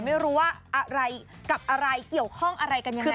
ไม่รู้ว่าอะไรกับอะไรเกี่ยวข้องอะไรกันยังไง